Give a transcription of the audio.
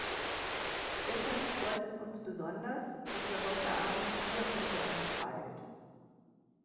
Deshalb freut es uns besonders, dass er heute Abend hier unter uns weilt.